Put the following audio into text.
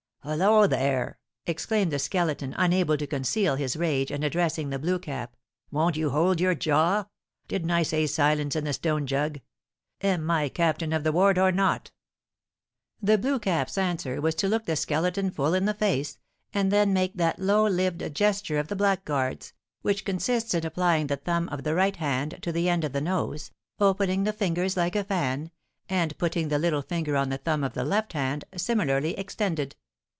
"Holloa, there!" exclaimed the Skeleton, unable to conceal his rage, and addressing the Blue Cap; "won't you hold your jaw? Didn't I say silence in the stone jug? Am I captain of the ward or not?" The Blue Cap's answer was to look the Skeleton full in the face, and then make that low lived gesture of the blackguards, which consists in applying the thumb of the right hand to the end of the nose, opening the fingers like a fan, and putting the little finger on the thumb of the left hand, similarly extended.